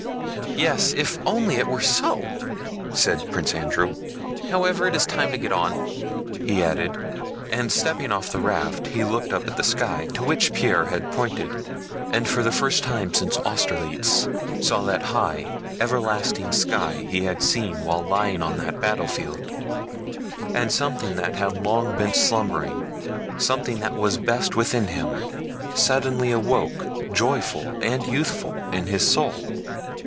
"Yes, if it only were so!" said Prince Andrew. "However, it is time to get on," he added, and, stepping off the raft, he looked up at the sky to which Pierre had pointed, and for the first time since Austerlitz saw that high, everlasting sky he had seen while lying on that battlefield; and something that had long been slumbering, something that was best within him, suddenly awoke, joyful and youthful, in his soul.